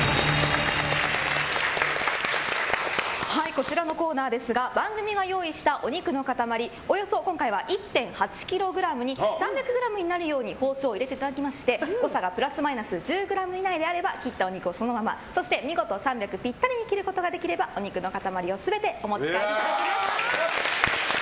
こちらのコーナーですが番組が用意したお肉の塊およそ１．８ｋｇに３００ｇになるように包丁を入れていただきまして誤差プラスマイナス１０ｇ以内であれば切ったお肉をそのままそして見事３００ｇぴったりに切ることができればお肉の塊全てお持ち帰りいただけます。